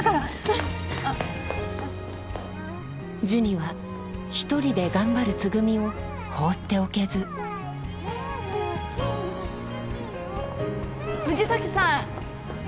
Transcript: ジュニは一人で頑張るつぐみを放っておけず藤崎さん！